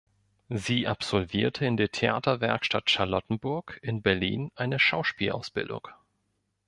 Sie absolvierte an der Theaterwerkstatt Charlottenburg in Berlin eine Schauspielausbildung.